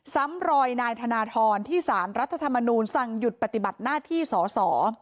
ซ้ำรอยนายธนทรที่สารรัฐธรรมนูลสั่งหยุดปฏิบัติหน้าที่สอสอ